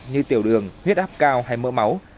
như tiểu đường huyết áp cao hay mỡ máu